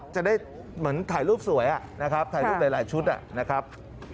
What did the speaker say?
จะได้เหมือนถ่ายรูปสวยนะครับถ่ายรูปหลายชุดนะครับ